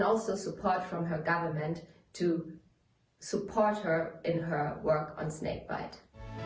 dan juga mendukung dari pemerintah untuk mendukung dia dalam kerjaannya